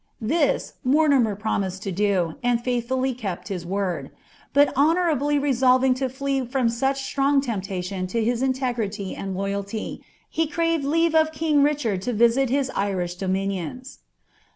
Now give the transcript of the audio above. This MoniM promised to do, and faithhilly kept his word ; but honourably imhsf to flee from such strong temptation to his integrity and loyalty, hs onri leave of king Richard to visit his Irish domaius.'